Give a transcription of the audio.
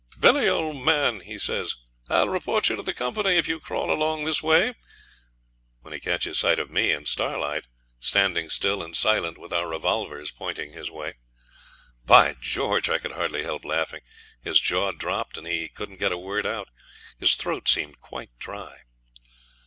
'Billy, old man,' he says, 'I'll report you to the Company if you crawl along this way,' when he catches sight of me and Starlight, standing still and silent, with our revolvers pointing his way. By George! I could hardly help laughing. His jaw dropped, and he couldn't get a word out. His throat seemed quite dry.